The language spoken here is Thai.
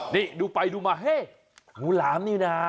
นี่ดูไปดูมาเฮ้งูหลามนี่นะ